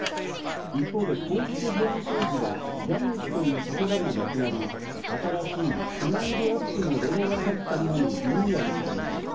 一方で公式ホームページはジャニーズという言葉がなくなり、新しいＳＭＩＬＥ‐ＵＰ．のロゴが入ったものにリニューアルされました。